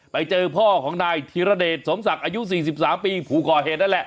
ไปเจอพ่อของนายธิรเดชสมศักดิ์อายุ๔๓ปีผู้ก่อเหตุนั่นแหละ